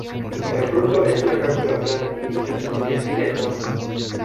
El fruto es una cápsula plana y lisa y se divide en dos.